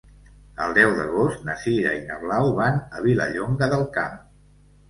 El deu d'agost na Sira i na Blau van a Vilallonga del Camp.